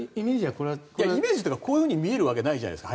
イメージというかこういうふうに見えるわけないじゃないですか。